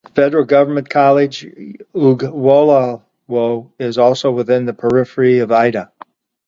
The Federal Government College Ugwolawo is also within the periphery of Idah.